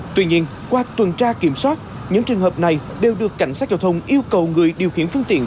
tuy nhiên qua tuần tra kiểm soát những trường hợp này đều được cảnh sát giao thông yêu cầu người điều khiển phương tiện